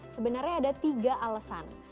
sebenarnya ada tiga alasan